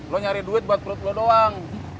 lo nyari duit buat perut lo doang